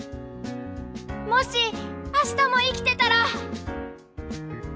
もし明日も生きてたら！